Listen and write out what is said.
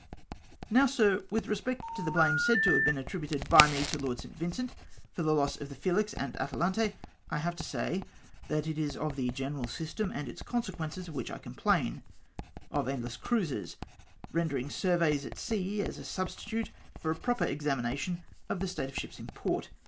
"' Now, Sir, with respect to the blame said to be attributed by me to Lord St. Vincent for the loss of the Felix and Atalante — I have to say, that it is of the general system and its consequences of which I complain — of endless cruises, rendering surveys at sea a substitute for a proper examina tion of the state of ships in port.